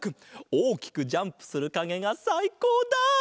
おおきくジャンプするかげがさいこうだ！